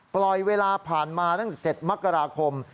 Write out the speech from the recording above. ปล่อยเวลาผ่านมาตั้งแต่๗มกราคม